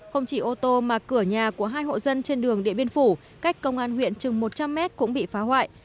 không chỉ ô tô mà cửa nhà của hai hộ dân trên đường điện biên phủ cách công an huyện chừng một trăm linh m cũng bị phá hoại